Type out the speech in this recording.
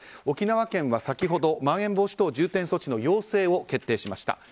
沖縄県は先ほどまん延防止等重点措置の要請を決定しました。